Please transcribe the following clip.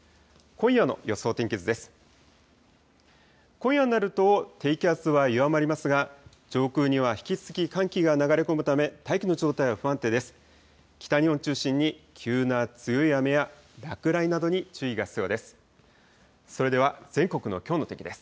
今夜になると低気圧は弱まりますが、上空には引き続き寒気が流れ込むため、大気の状態は不安定です。